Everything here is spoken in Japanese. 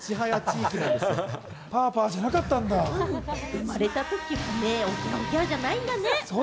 生まれたとき、「おぎゃ！おぎゃ！」じゃないんだね。